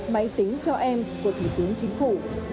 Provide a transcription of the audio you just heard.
máy tính cho em của thủ tướng chính phủ